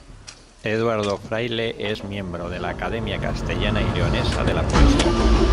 Eduardo Fraile es miembro de la "Academia Castellana y Leonesa de la Poesía".